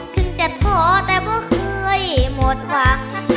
กึ่งจะโทรแต่ว่าเคยหมดหว่าง